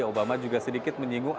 obama juga sedikit menyingkirkan